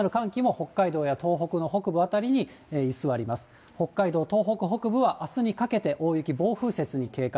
北海道、東北北部はあすにかけて大雪、暴風雪に警戒。